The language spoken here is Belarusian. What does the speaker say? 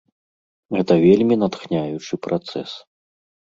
Гэта вельмі натхняючы працэс.